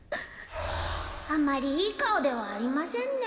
あまりいい顔ではありませんね。